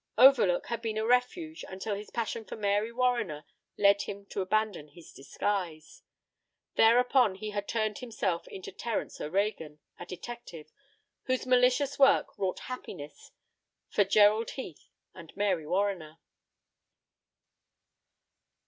Overlook had been a refuge until his passion for Mary Warriner led him to abandon his disguise. Thereupon, he had turned himself into Terence O'Reagan, a detective, whose malicious work wrought happiness for Gerald Heath and Mary Warriner.